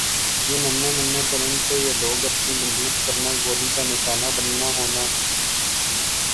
یِہ ننھے مننھے پرند کو یِہ لوگ اپنی بندوق کرنا گولی کا نشانہ بننا ہونا